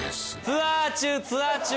ツアー中ツアー中